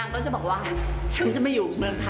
ก็จะเป็นอีกโซนนึง